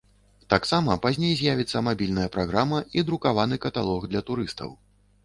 Таксама пазней з'явіцца мабільная праграма і друкаваны каталог для турыстаў.